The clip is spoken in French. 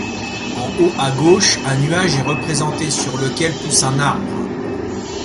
En haut à gauche, un nuage est représenté sur lequel pousse un arbre.